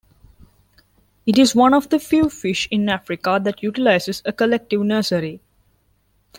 It is one of the few fish in Africa that utilizes a collective nursery.